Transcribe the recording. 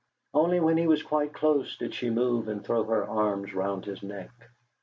Only when he was quite close did she move and throw her arms round his neck.